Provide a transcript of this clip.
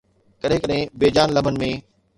ڪڏهن ڪڏهن بي جان لمحن ۾